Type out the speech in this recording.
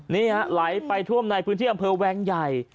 ไหลไปท่วมในพื้นที่อำเภอแวงใหญ่